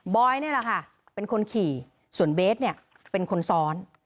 อยนี่แหละค่ะเป็นคนขี่ส่วนเบสเนี่ยเป็นคนซ้อน